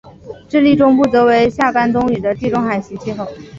智利中部则为夏干冬雨的地中海型气候。